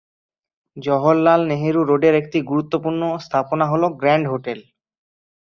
জওহরলাল নেহেরু রোডের একটি গুরুত্বপূর্ণ স্থাপনা হল গ্র্যান্ড হোটেল।